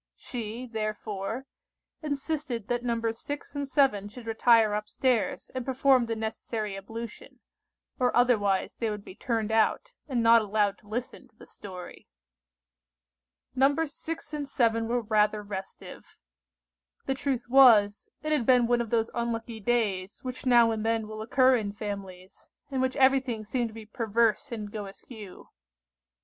She, therefore, insisted that Nos. 6 and 7 should retire up stairs and perform the necessary ablution, or otherwise they would be turned out, and not allowed to listen to the story. Nos. 6 and 7 were rather restive. The truth was, it had been one of those unlucky days which now and then will occur in families, in which everything seemed to be perverse and go askew.